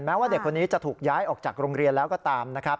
ว่าเด็กคนนี้จะถูกย้ายออกจากโรงเรียนแล้วก็ตามนะครับ